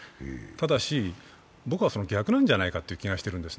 ただし、僕はその逆なんじゃないかという気がしているんです。